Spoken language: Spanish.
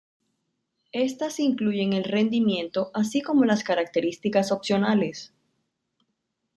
Estas incluyen el rendimiento, así como las características opcionales.